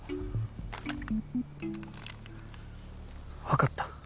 わかった。